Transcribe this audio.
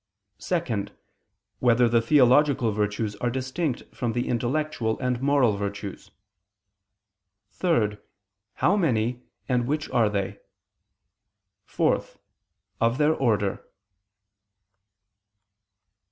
(2) Whether the theological virtues are distinct from the intellectual and moral virtues? (3) How many, and which are they? (4) Of their order.